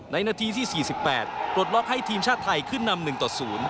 นาทีที่๔๘ปลดล็อกให้ทีมชาติไทยขึ้นนำ๑ต่อ๐